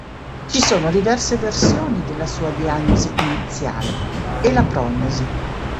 Ci sono diverse versioni della sua diagnosi iniziale, e la prognosi.